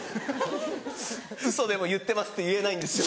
ウソでも「言ってます」って言えないんですよ。